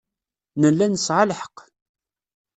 Nella nesɛa lḥeqq.